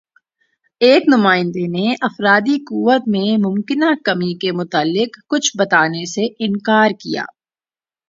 ایک نمائندے نے افرادی قوت میں ممکنہ کمی کے متعلق کچھ بتانے سے اِنکار کِیا